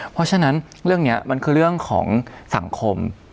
เพราะฉะนั้นเรื่องนี้มันคือเรื่องของสังคม